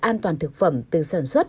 an toàn thực phẩm từ sản xuất